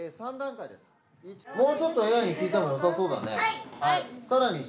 もうちょっとＡＩに聞いてもよさそうだね。